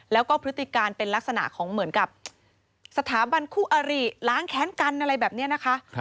แล้วก็พฤติการเป็นลักษณะของเหมือนกับสถาบันคู่อริล้างแค้นกันอะไรแบบนี้นะคะ